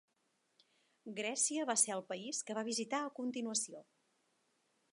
Grècia va ser el país que va visitar a continuació.